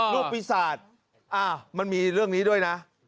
อ่อรูปปีศาจอ่ามันมีเรื่องนี้ด้วยนะ